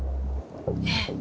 ええ。